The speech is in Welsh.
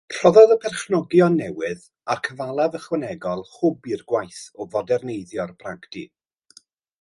Rhoddodd y perchnogion newydd a'r cyfalaf ychwanegol hwb i'r gwaith o foderneiddio'r bragdy.